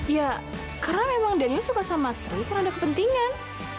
ya karena memang daniel suka sama sri karena ada kepentingan